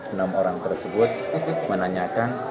enam orang tersebut menanyakan